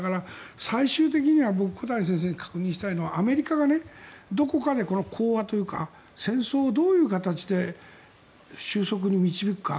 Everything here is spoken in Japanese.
最終的には、小谷先生に確認したいのはアメリカがどこかで講和というか戦争をどういう形で収束に導くか。